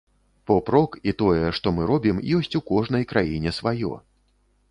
Поп-рок і тое, што мы робім, ёсць у кожнай краіне сваё.